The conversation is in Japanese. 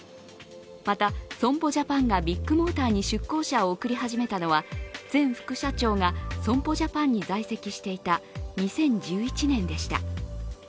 また、損保ジャパンがビッグモーターに出向者を送り始めたのは前副社長が損保ジャパンに在籍していた２０１１年でした。